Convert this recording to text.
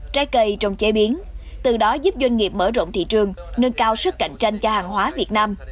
trái cây trong chế biến từ đó giúp doanh nghiệp mở rộng thị trường nâng cao sức cạnh tranh cho hàng hóa việt nam